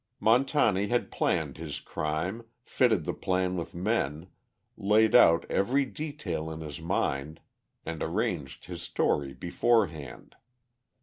Montani had planned his crime, fitted the plan with men, laid out every detail in his mind, and arranged his story beforehand.